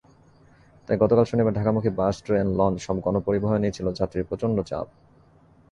তাই গতকাল শনিবার ঢাকামুখী বাস, ট্রেন, লঞ্চ—সব গণপরিবহনেই ছিল যাত্রীর প্রচণ্ড চাপ।